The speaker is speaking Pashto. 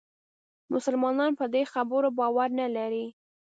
مسلمانان پر دې خبرو باور نه لري.